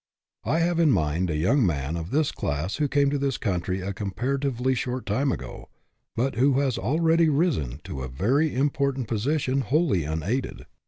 I have in mind a young man of this class who came to this country a comparatively short time ago, but who has already risen to a very important position wholly unaided.